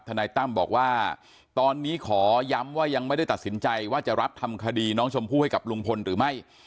นายตั้มบอกว่าตอนนี้ขอย้ำว่ายังไม่ได้ตัดสินใจว่าจะรับทำคดีน้องชมพู่ให้กับลุงพลหรือไม่